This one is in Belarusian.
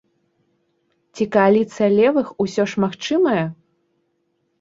Ці кааліцыя левых усё ж магчымая?